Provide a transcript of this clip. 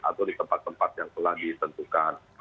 atau di tempat tempat yang telah ditentukan